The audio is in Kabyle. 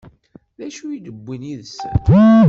D acu i d-wwin yid-sen?